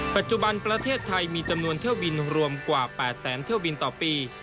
ปัจจุบันประเทศไทยมีจำนวนเที่ยวบินรวมกว่า๘แสนเที่ยวบินต่อปี